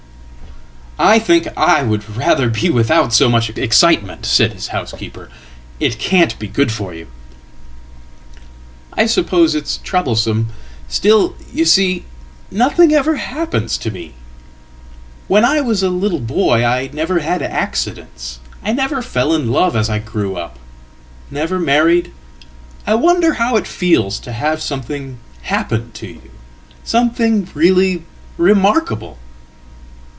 ""I think I would rather be without so much excitement," said hishousekeeper. "It can't be good for you.""I suppose it's troublesome. Still ... you see, nothing ever happens tome. When I was a little boy I never had accidents. I never fell in love asI grew up. Never married... I wonder how it feels to have somethinghappen to you, something really remarkable."